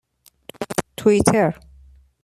توییتر